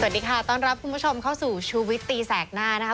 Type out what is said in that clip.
สวัสดีค่ะต้อนรับคุณผู้ชมเข้าสู่ชูวิตตีแสกหน้านะคะ